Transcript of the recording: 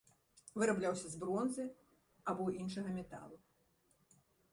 Вырабляўся з бронзы або іншага металу.